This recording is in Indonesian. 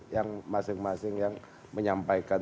yang masing masing yang menyampaikan